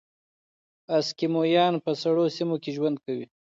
اسکیمویان په سړو سیمو کې ژوند کوي.